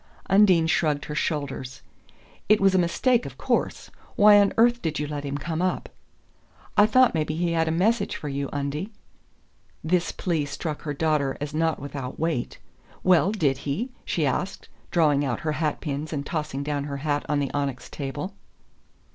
Undine shrugged her shoulders. "It was a mistake, of course. Why on earth did you let him come up?" "I thought maybe he had a message for you, Undie." This plea struck her daughter as not without weight. "Well, did he?" she asked, drawing out her hat pins and tossing down her hat on the onyx table.